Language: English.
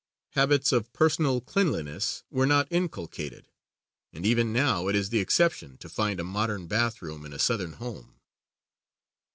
Habits of personal cleanliness were not inculcated, and even now it is the exception to find a modern bath room in a Southern home.